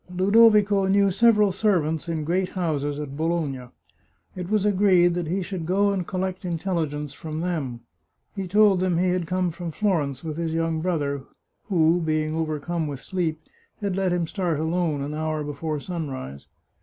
Ludovico knew several servants in great houses at Bologna. It was agreed that he should go and collect in telligence from them. He told them he had come from Florence with his young brother, who, being overcome with sleep, had let him start alone an hour before sunrise.